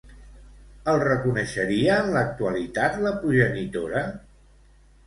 El reconeixeria en l'actualitat, la progenitora?